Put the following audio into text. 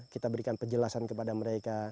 kita berikan penjelasan kepada mereka